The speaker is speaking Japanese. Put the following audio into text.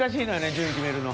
順位決めるの。